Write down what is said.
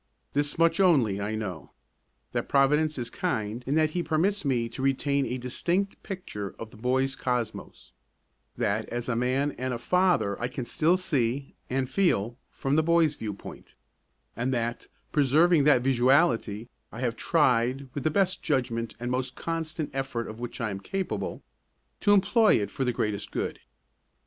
This much only, I know That Providence is kind in that He permits me to retain a distinct picture of the boy's cosmos; that as a man and a father I can still see and feel from the boy's viewpoint; and that, preserving that visuality, I have tried, with the best judgment and most constant effort of which I am capable, to employ it for the greatest good.